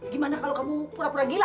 gimana kalau kamu pura pura gila